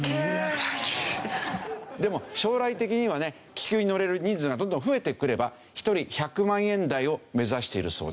でも将来的にはね気球に乗れる人数がどんどん増えてくれば１人１００万円台を目指しているそうです。